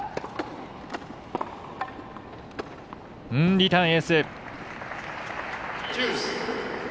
リターンエース。